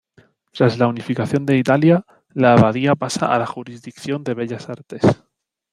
Tras la unificación de Italia, la abadía pasa a la jurisdicción de Bellas Artes.